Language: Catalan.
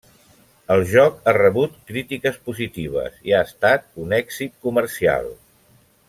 El joc ha rebut crítiques positives, i ha estat un èxit comercial.